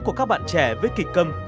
của các bạn trẻ với kịch câm